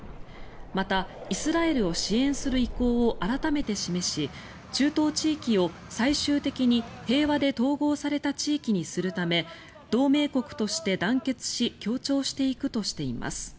またイスラエルを支援する意向を改めて示し中東地域を最終的に平和で統合された地域にするため同盟国として団結し協調していくとしています。